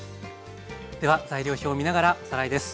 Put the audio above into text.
では材料表を見ながらおさらいです。